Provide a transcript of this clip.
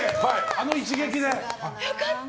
あの一撃で。